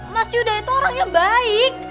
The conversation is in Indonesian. mas yudha itu orangnya baik